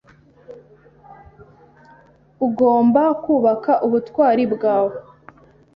Ugomba kubaka ubutwari bwawe.